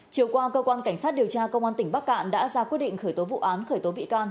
chiều qua cơ quan cảnh sát điều tra công an tỉnh bắc cạn đã ra quyết định khởi tố vụ án khởi tố bị can